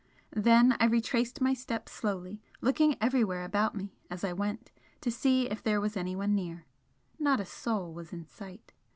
Then I retraced my steps slowly, looking everywhere about me as I went, to see if there was anyone near. Not a soul was in sight.